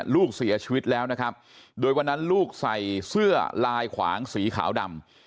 ลูกเสียชีวิตแล้วนะครับโดยวันนั้นลูกใส่เสื้อลายขวางสีขาวดำ